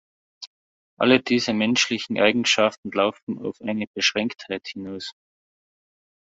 Alle diese menschlichen Eigenschaften laufen auf eine Beschränktheit hinaus.